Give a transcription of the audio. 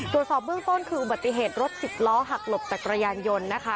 ตรวจสอบเบื้องต้นคืออุบัติเหตุรถสิบล้อหักหลบจากกระยานยนต์นะคะ